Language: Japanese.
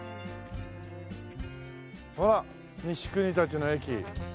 ほら西国立の駅。